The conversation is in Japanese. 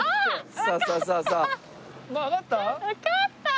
わかった？